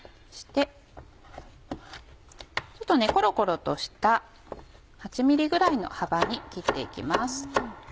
ちょっとコロコロとした８ｍｍぐらいの幅に切って行きます。